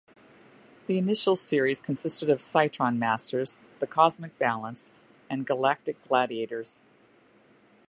The initial series consisted of "Cytron Masters", "The Cosmic Balance" and "Galactic Gladiators".